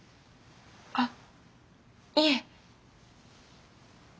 あっいえ。